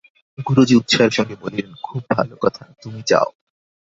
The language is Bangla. গুরুজি উৎসাহের সঙ্গে বলিলেন, খুব ভালো কথা, তুমি যাও।